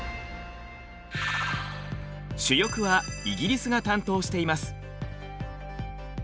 主翼はイギリスが担当しています。